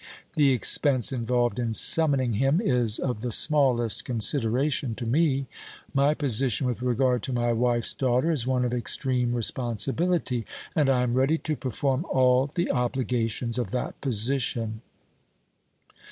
The expense involved in summoning him is of the smallest consideration to me. My position with regard to my wife's daughter is one of extreme responsibility, and I am ready to perform all the obligations of that position."